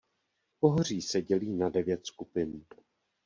Pohoří se dělí na devět skupin.